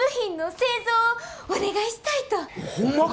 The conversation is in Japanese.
ホンマか！